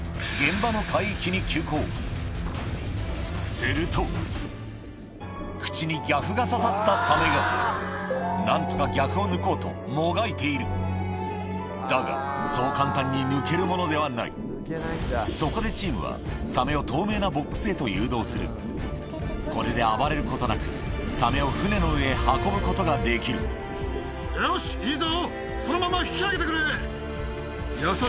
すると口にギャフが刺さったサメが何とかギャフを抜こうともがいているだがそう簡単に抜けるものではないそこでチームはサメを透明なボックスへと誘導するこれで暴れることなくサメを船の上へ運ぶことができるよしそうだ。